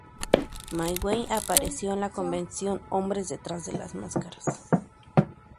Mayhew apareció en la convención "Hombres detrás de las máscaras".